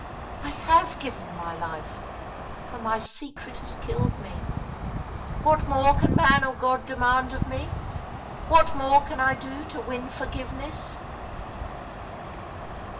I have given my life — for my secret has killed me. What more can man or God demand of me ? What more can I do to win forgiveness